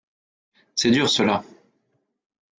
C’est dur, cela.